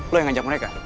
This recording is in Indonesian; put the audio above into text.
lo yang ngajak mereka